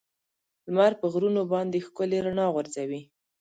لمر په غرونو باندې ښکلي رڼا غورځوي.